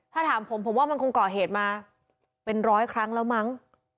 ถ้าถามผมผมว่ามันคงก่อเหตุมาเป็นร้อยครั้งแล้วมั้ง